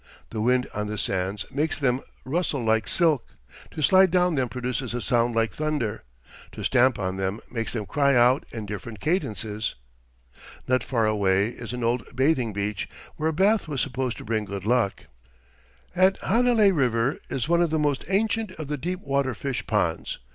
"The wind on the sands makes them rustle like silk; to slide down them produces a sound like thunder; to stamp on them makes them cry out in different cadences." Not far away is an old bathing beach, where a bath was supposed to bring good luck. At Hanalei River is one of the most ancient of the deep water fish ponds.